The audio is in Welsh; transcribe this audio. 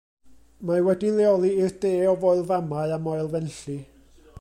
Mae wedi'i leoli i'r de o Foel Famau a Moel Fenlli.